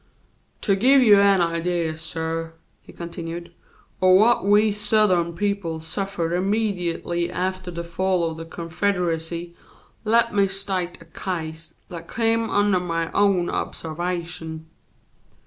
"To give you an idea, suh," he continued, "of what we Southern people suffe'd immediately after the fall of the Confederacy, let me state a case that came under my own observation.